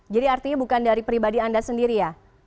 jadi artinya bukan dari pribadi anda sendiri ya